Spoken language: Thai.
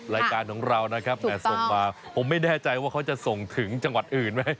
รายการของเรานะครับส่งมาผมไม่แน่ใจว่าเขาจะส่งถึงจังหวัดอื่นไหม